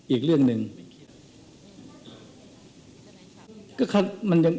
อีกเรื่องหนึ่ง